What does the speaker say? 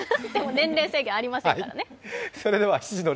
年齢制限ありませんからね。